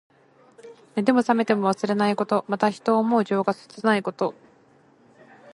寝ても冷めても忘れないこと。また、人を思う情が切ないこと。